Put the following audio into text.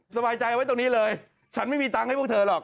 สบายใจไว้ตรงนี้เลยฉันไม่มีตังค์ให้พวกเธอหรอก